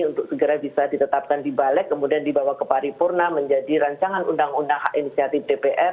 untuk segera bisa ditetapkan di balik kemudian dibawa ke paripurna menjadi rancangan undang undang hak inisiatif dpr